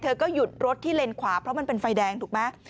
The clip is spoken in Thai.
ก็หยุดรถที่เลนขวาเพราะมันเป็นไฟแดงถูกไหม